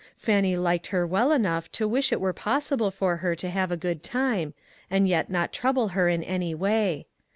Fannie liked her well enough to wish it were possible for her to have a good time, and yet not trouble her in any way.